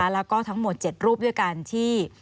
แล้วก็ทั้งหมด๗รูปด้วยกันที่